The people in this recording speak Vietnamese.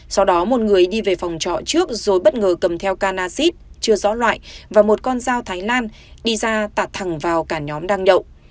sau đó một người đi về phòng trọ trước rồi bất ngờ cầm theo canasite chưa rõ loại và một con dao thái lan đi ra tạt thẳng vào cả nhóm đang đậu